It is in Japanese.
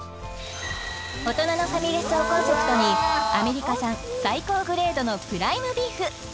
大人のファミレスをコンセプトにアメリカ産最高グレードのプライムビーフ